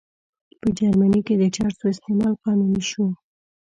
په جرمني کې د چرسو استعمال قانوني شو.